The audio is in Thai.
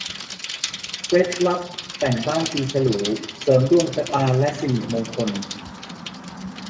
เคล็ดลับแต่งบ้านปีฉลู เสริมดวงชะตาและสิริมงคล